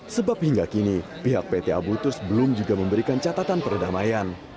sebab hingga kini pihak pt abu tus belum juga memberikan catatan perdamaian